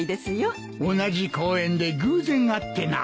同じ公園で偶然会ってな。